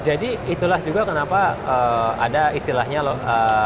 jadi itulah juga kenapa ada istilahnya loh